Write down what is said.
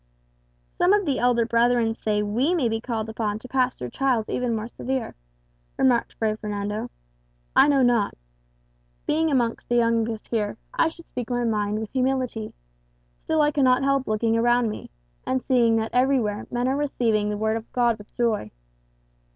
"Some of the elder brethren say we may be called upon to pass through trials even more severe," remarked Fray Fernando. "I know not. Being amongst the youngest here, I should speak my mind with humility; still I cannot help looking around me, and seeing that everywhere men are receiving the Word of God with joy.